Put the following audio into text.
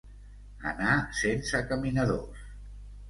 Anar sense caminadors.